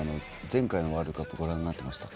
前回のワールドカップご覧になってました？